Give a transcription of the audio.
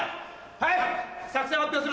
はい！